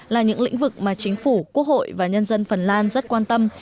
là những lĩnh vực mà chính phủ quốc hội và nhân dân phần lan rất quan tâm